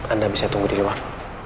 anda bisa tunggu di luar